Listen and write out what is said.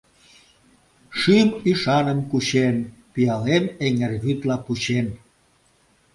Шӱм ӱшаным кучен, пиалем эҥер вӱдла пучен.